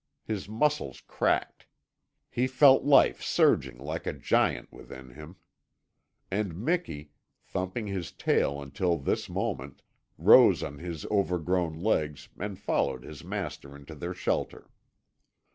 His muscles cracked. He felt life surging like a giant within him. And Miki, thumping his tail until this moment, rose on his overgrown legs and followed his master into their shelter.